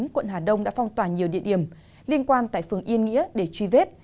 quận hà đông đã phong tỏa nhiều địa điểm liên quan tại phường yên nghĩa để truy vết